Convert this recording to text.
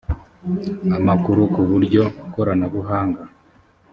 iii amakuru k uburyo koranabuhanga